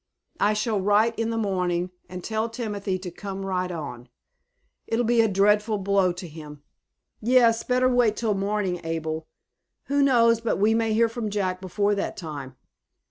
I shall write in the morning, and tell Timothy to come right on. It'll be a dreadful blow to him." "Yes, better wait till morning, Abel. Who knows but we may hear from Jack before that time?"